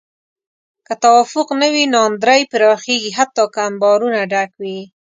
که توافق نه وي، ناندرۍ پراخېږي حتی که انبارونه ډک وي.